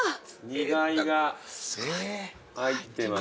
煮貝が入ってますね。